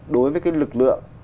đối với cái lực lượng